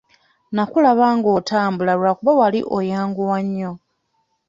Nnakulaba nga otambula lwakuba wali oyanguwa nnyo.